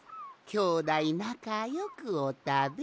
きょうだいなかよくおたべ。